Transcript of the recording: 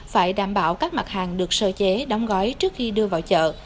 phải đảm bảo các mặt hàng được sơ chế đóng gói trước khi đưa vào chợ